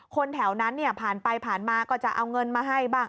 คนแถวนั้นเนี่ยผ่านไปผ่านมาก็จะเอาเงินมาให้บ้าง